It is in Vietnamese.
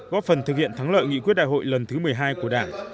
góp phần thực hiện thắng lợi nghị quyết đại hội lần thứ một mươi hai của đảng